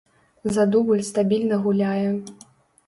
За дубль стабільна гуляе.